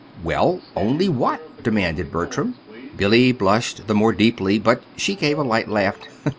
"Well; only what?" demanded Bertram. Billy blushed the more deeply, but she gave a light laugh.